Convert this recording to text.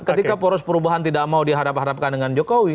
ketika poros perubahan tidak mau dihadap hadapkan dengan jokowi